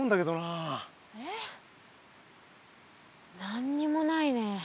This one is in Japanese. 何にもないね。